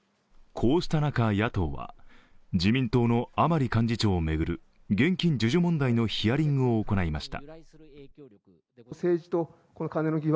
こうした中、野党は、自民党の甘利幹事長を巡る現金授受問題のヒアリングを行いました。